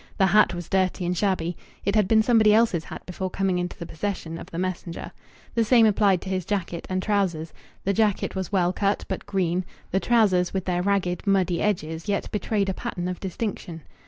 The hat was dirty and shabby. It had been somebody else's hat before coming into the possession of the messenger. The same applied to his jacket and trousers. The jacket was well cut, but green; the trousers, with their ragged, muddy edges, yet betrayed a pattern of distinction.